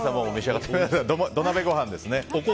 あとは土鍋ご飯ですね。